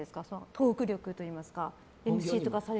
トーク力といいますか。